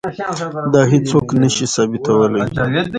دا هیڅوک نه شي ثابتولی.